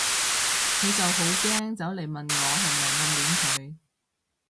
佢就好驚走嚟問我係咪暗戀佢